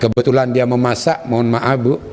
kebetulan dia memasak mohon maaf bu